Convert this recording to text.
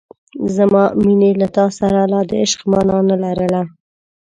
زما مینې له تا سره لا د عشق مانا نه لرله.